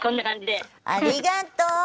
ありがとう。